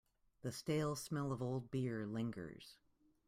The stale smell of old beer lingers.